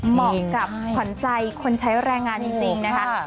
เหมาะกับขวัญใจคนใช้แรงงานจริงนะคะ